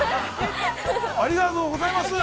ありがとうございます。